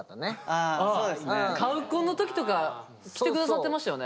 あそうですね。カウコンの時とか来てくださってましたよね。